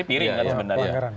itu piring kan sebenarnya